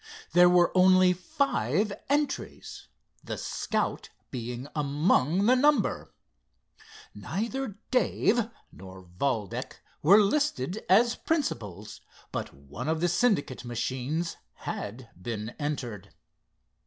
There were only five entries, the Scout being among the number. Neither Dave nor Valdec were listed as principals, but one of the Syndicate machines had been entered.